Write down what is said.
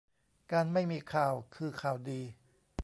การไม่มีข่าวคือข่าวดี